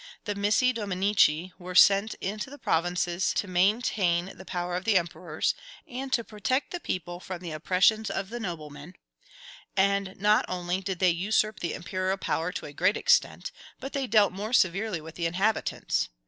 The missi dominici were sent into the provinces to maintain the power of the emperors, and to protect the people from the oppressions of the noblemen; and not only did they usurp the imperial power to a great extent, but they dealt more severely with the inhabitants.